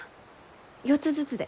４つずつで。